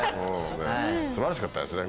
素晴らしかったですね